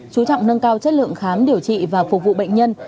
chú trọng nâng cao chất lượng khám điều trị và phục vụ bệnh nhân